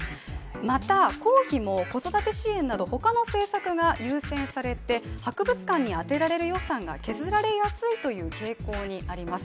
また、公費も子育て支援など、他の政策が優先されて、博物館に充てられる予算が削られやすいという傾向にあります。